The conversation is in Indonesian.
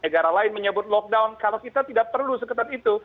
kalau kita tidak perlu seketat itu